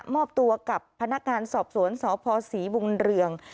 มอบตัวกับพนักงานสอบสวนสพศรีบุญเรือง